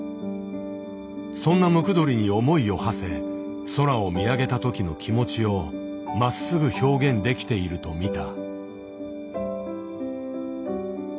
そんなムクドリに思いをはせ空を見上げたときの気持ちをまっすぐ表現できていると見た。